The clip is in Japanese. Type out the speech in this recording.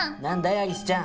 アリスちゃん。